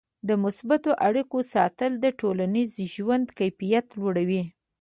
د مثبتو اړیکو ساتل د ټولنیز ژوند کیفیت لوړوي.